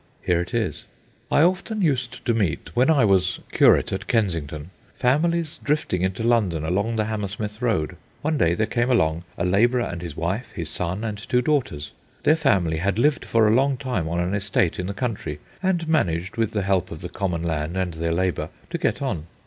Here it is:— I often used to meet, when I was curate at Kensington, families drifting into London along the Hammersmith Road. One day there came along a labourer and his wife, his son and two daughters. Their family had lived for a long time on an estate in the country, and managed, with the help of the common land and their labour, to get on.